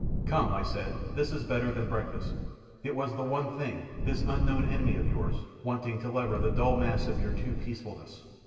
"Come," I said, "this is better than breakfast. It was the one thing this unknown enemy of yours wanting to lever the dull mass of your too peacefulness.